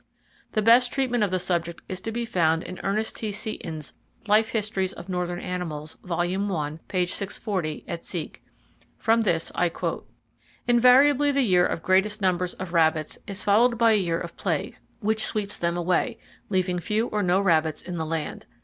The best treatment of the subject is to be found in Ernest T. Seton's "Life Histories of Northern Animals", Vol. I, p. 640 et seq. From this I quote: "Invariably the year of greatest numbers [of rabbits] is followed by a year of plague, which sweeps them away, leaving few or no rabbits in the land.